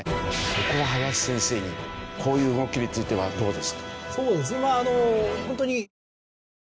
ここは林先生にこういう動きについてはどうですか？